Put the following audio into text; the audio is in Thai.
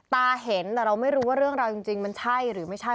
ตาเห็นแต่เราไม่รู้ว่าเรื่องราวจริงมันใช่หรือไม่ใช่